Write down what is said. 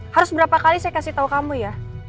harus berapa kali saya kasih tahu kamu ya